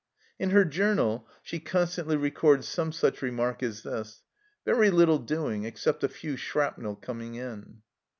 In her journal she constantly records some such remark as this :" Very little doing, except a few shrapnel coming in."